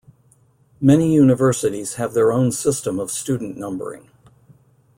Many universities have their own system of student numbering.